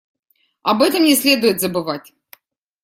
Об этом не следует забывать.